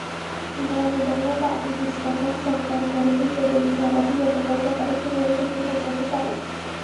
ভবদহ পানিনিষ্কাশন সংগ্রাম কমিটির জরুরি সভাটি গতকাল সকালে শুরু হয়ে দুপুর পর্যন্ত চলে।